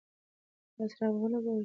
ایا څراغ به ولګول شي؟